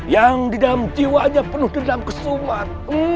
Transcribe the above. yang didalam jiwanya penuh dendam kesumat